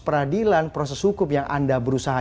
peradilan proses hukum yang anda berusaha